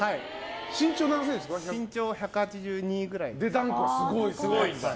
身長は１８２ぐらいです。